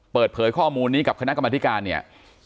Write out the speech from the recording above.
เปิดเผยข้อมูลนี้กับคณะกรรมธิการเนี่ย